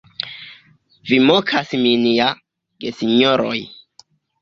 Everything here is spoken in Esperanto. Vi mokas min ja, gesinjoroj!